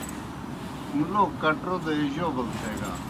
مُلوک کٹرو دے جوبل تھیگان۔